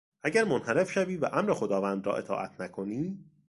اگر منحرف شوی و امر خداوند را اطاعت نکنی...